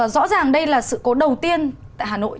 rõ ràng đây là sự cố đầu tiên tại hà nội